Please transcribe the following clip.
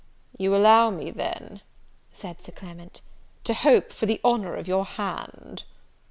"You allow me, then," said Sir Clement, "to hope for the honour of your hand?"